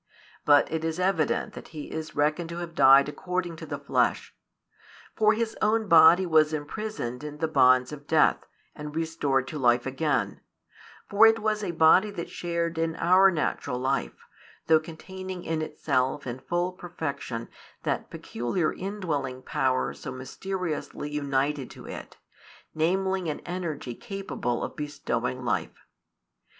But it is evident that He is reckoned to have died according to the flesh. |235 For His own body was imprisoned in the bonds of death, and restored to life again: for it was a body that shared in our natural life, though containing in itself in full perfection that peculiar indwelling power so mysteriously united to it, namely an energy capable of bestowing life.